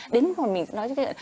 đến mà mình nói cho các bạn